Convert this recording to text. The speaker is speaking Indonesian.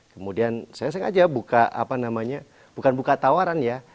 kemudian saya sengaja buka bukan buka tawaran ya